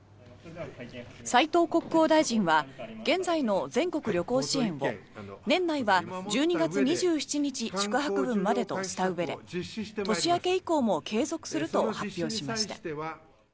斉藤国交大臣は現在の全国旅行支援を年内は１２月２７日宿泊分までとしたうえで年明け以降も継続すると発表しました。